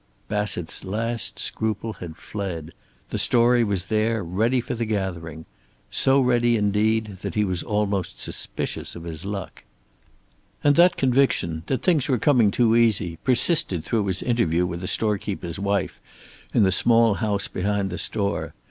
Bassett's last scruple had fled. The story was there, ready for the gathering. So ready, indeed, that he was almost suspicious of his luck. And that conviction, that things were coming too easy, persisted through his interview with the storekeeper's wife, in the small house behind the store.